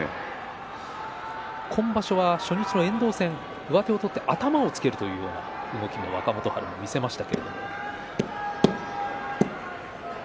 今場所は初日の遠藤戦上手を取って頭をつけるという動き、若元春、見せました。